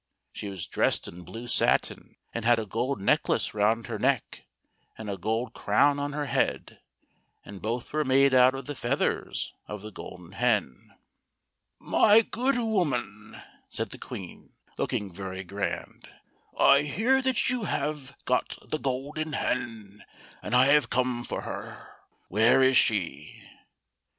She was dressed in blue satin, and had a gold necklace round her neck, and a gold crown on her head, and both were made out of the feathers of the Golden Hen, " My good woman," said the Queen, looking very grand, " I hear that you have got the Golden Hen, and I have come for her. Where is she